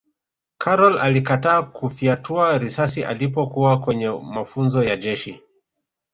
karol alikataa kufyatua risasi alipokuwa kwenye mafunzo ya jeshi